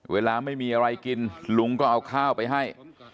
เวลาไม่มีอะไรกินลุงก็เอาข้าวไปให้